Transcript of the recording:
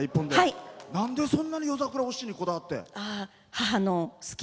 なんで、そんな「夜桜お七」にこだわって？